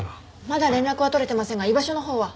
まだ連絡は取れてませんが居場所のほうは。